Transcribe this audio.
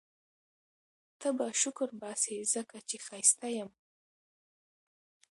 ته به شکرباسې ځکه چي ښایسته یم